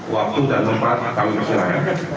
waktu dan tempat kami persilahkan